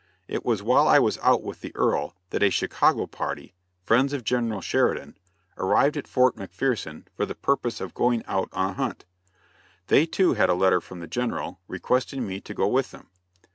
It was while I was out with the Earl, that a Chicago party friends of General Sheridan arrived at Fort McPherson for the purpose of going out on a hunt. They, too, had a letter from, the General requesting me to go with them.